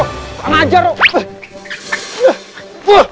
nggak ngeajar lo